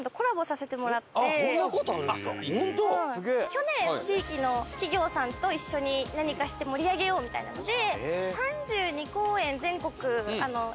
去年地域の企業さんと一緒に何かして盛り上げようみたいなので。